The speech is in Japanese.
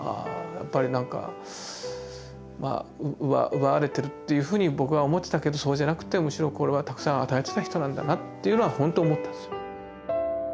やっぱりなんかまあ奪われてるっていうふうに僕は思ってたけどそうじゃなくてむしろこれはたくさん与えてた人なんだなっていうのはほんと思ったんですよ。